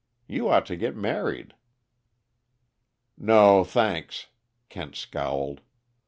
You ought to get married." "No, thanks," Kent scowled.